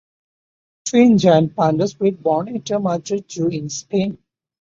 Twin giant pandas were born at the Madrid Zoo in Spain.